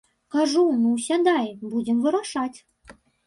Кажу, ну сядай, будзем вырашаць.